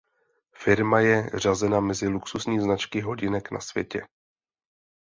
Firma je řazena mezi luxusní značky hodinek na světě.